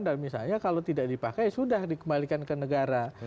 dan misalnya kalau tidak dipakai sudah dikembalikan ke negara